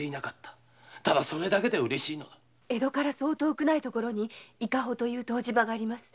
江戸から遠くない所に伊香保という湯治場があります。